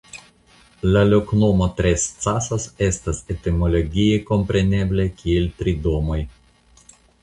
La loknomo "Trescasas" estas etimologie komprenebla kiel Tri Domoj.